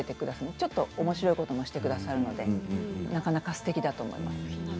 ちょっとおもしろいこともしてくださるのでなかなかすてきだと思います。